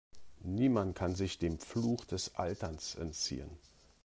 Niemand kann sich dem Fluch des Alterns entziehen.